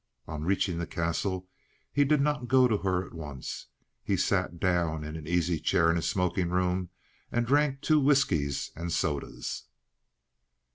On reaching the Castle, he did not go to her at once. He sat down in an easy chair in his smoking room and drank two whiskies and sodas.